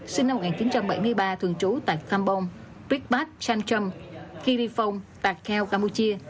sinh năm một nghìn chín trăm bảy mươi ba thường trú tại kampong brikpat sanchong kirifong takao campuchia